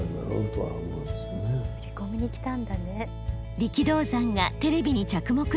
力道山がテレビに着目した理由。